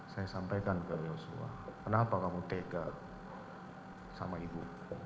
saya sampaikan ke yosua kenapa kamu tega sama ibu